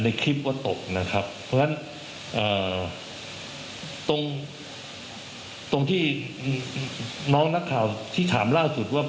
คลิปว่าตกนะครับเพราะฉะนั้นตรงตรงที่น้องนักข่าวที่ถามล่าสุดว่า